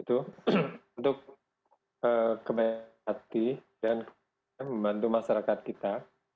untuk kembali hati dan membantu masyarakat kita